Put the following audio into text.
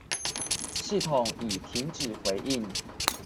系統已停止回應